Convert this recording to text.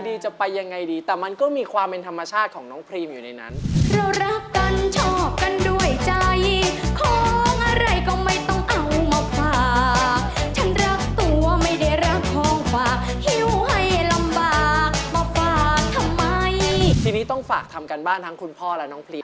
ทีนี้ต้องฝากทำการบ้านทั้งคุณพ่อและน้องพรี